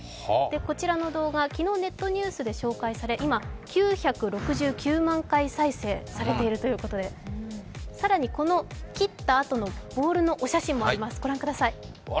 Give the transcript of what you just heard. こちらの動画、昨日ネットニュースで紹介され、今、９６９万回再生されているということで更に、この斬ったあとのボールのお写真もございます。